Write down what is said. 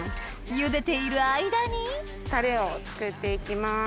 ゆでている間にタレを作って行きます。